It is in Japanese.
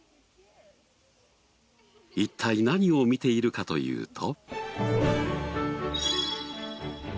一体何を見ているかというと。